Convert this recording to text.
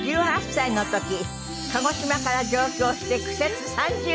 １８歳の時鹿児島から上京して苦節３０年。